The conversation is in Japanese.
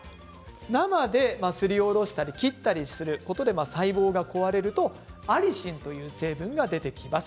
生ですりおろしたり切ったりすることで細胞が壊れるとアリシンという成分が出てきます。